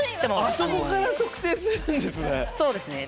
あそこから特定するんですね。